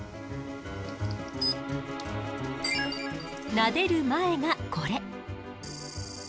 なでる前がこれ。